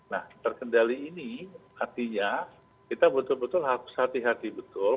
nah terkendali ini artinya kita betul betul harus hati hati betul